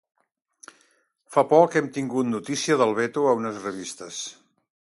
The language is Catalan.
fa poc hem tingut notícia del veto a unes revistes